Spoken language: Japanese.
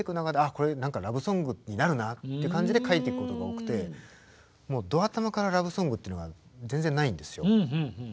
これ何かラブソングになるなって感じで書いていくことが多くてど頭からラブソングっていうのが全然ないんですよ。